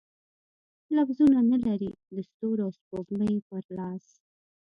لفظونه، نه لري د ستورو او سپوږمۍ په لاس